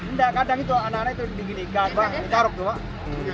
nggak kadang itu anak anak itu di gini kakak taruh dulu